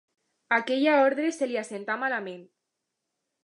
Aquella ordre se li assentà malament.